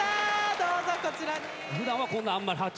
どうぞこちらに。